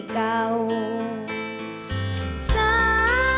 ขอบคุณครับ